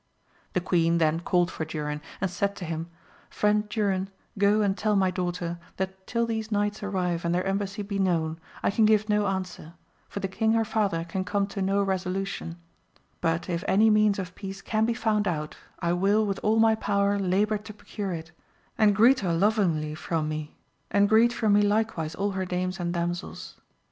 The Queen then called for Durin, and said to him, Friend Durin, go and tell my daughter that till these knights arrive and their embassy be known, I can give no answer, for the king her father can come to no resolution, but if any means of peace can be found out I will with all my power labour to procure it, and greet her lovingly from me ; and greet from me like wise all her dames and damsels.